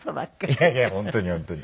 いやいや本当に本当に。